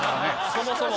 そもそも。